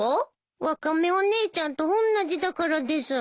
ワカメお姉ちゃんとおんなじだからです。